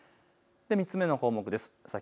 ３つ目の項目です。